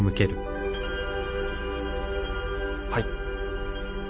はい。